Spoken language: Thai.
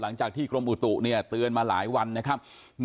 หลังจากที่กรมอุตุเนี่ยเตือนมาหลายวันนะครับ